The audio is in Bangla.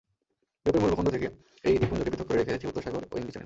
ইউরোপের মূল ভূখণ্ড থেকে এই দ্বীপপুঞ্জকে পৃথক করে রেখেছে উত্তর সাগর ও ইংলিশ চ্যানেল।